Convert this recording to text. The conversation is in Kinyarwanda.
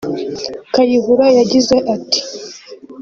Kayihura yagize ati